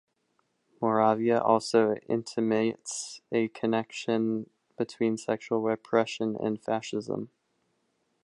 Moravia also intimates a connection between sexual repression and fascism.